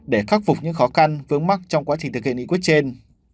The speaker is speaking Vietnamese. để khắc phục những khó khăn vướng mắt trong quá trình thực hiện nghị quyết trên